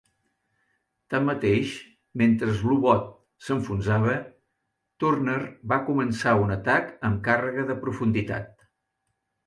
Tanmateix, mentre el U-boot s'enfonsava, "Turner" va començar un atac amb càrrega de profunditat.